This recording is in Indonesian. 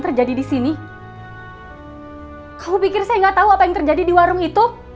terjadi di sini aku pikir saya nggak tahu apa yang terjadi di warung itu